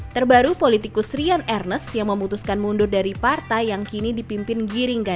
terbaru politikus rian ernest yang memutuskan mundur dari partai yang kini dipimpin giringgara